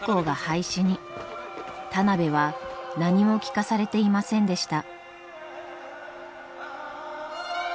田邊は何も聞かされていませんでした。